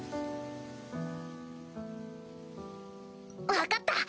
分かった！